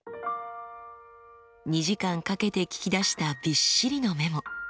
２時間かけて聞き出したびっしりのメモ。